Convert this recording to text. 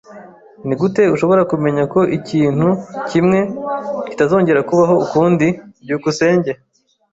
Nigute ushobora kumenya ko ikintu kimwe kitazongera kubaho ukundi? byukusenge